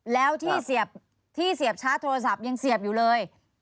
แล้วที่เสียบชาร์จโทรศัพท์ยังเสียบอยู่เลย